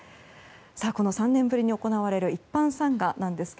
この３年ぶりに行われる一般参賀ですが